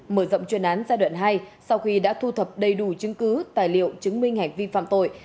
mở rộng chuyên án giai đoạn hai sau khi đã thu thập đầy đủ chứng cứ tài liệu chứng minh hành vi phạm tội